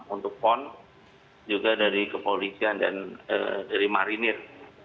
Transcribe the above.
untuk pon juga dari kepolisian dan dari marinir